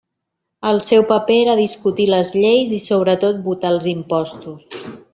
El seu paper era discutir les lleis i, sobretot, votar els impostos.